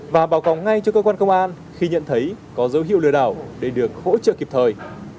và báo cáo ngay cho cơ quan công an khi nhận thấy có dấu hiệu lừa đảo để được hỗ trợ kịp thời